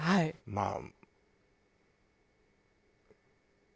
まあ。